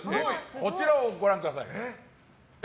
こちらをご覧ください。